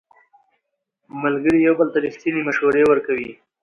ملګري یو بل ته ریښتینې مشورې ورکوي